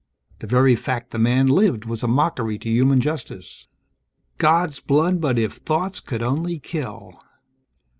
The very fact the man lived was a mockery to human justice: God's blood, but if thoughts could only kill.